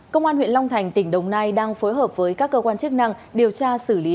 công an huyện long thành tỉnh đồng nai đang phối hợp với các cơ quan chức năng điều tra xử lý